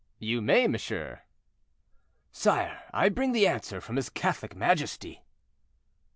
"You may, monsieur." "Sire, I bring the answer from his Catholic majesty."